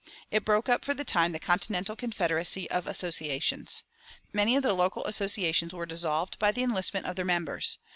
It broke up for the time the continental confederacy of Associations. Many of the local Associations were dissolved by the enlistment of their members.